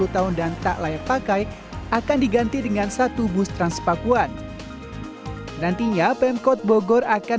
sepuluh tahun dan tak layak pakai akan diganti dengan satu bus transpakuan nantinya pemkot bogor akan